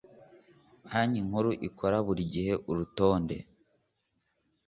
banki nkuru ikora buri gihe urutonde